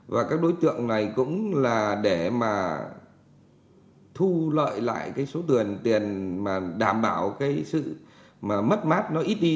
và các đối tượng này cũng là để mà thu lợi lại cái số tiền mà đảm bảo cái sự mà mất mát nó ít đi